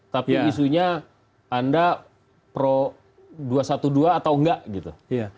tapi isunya anda pro dua ratus dua belas atau